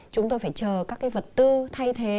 chúng tôi phải chờ các cái vật tư thay thế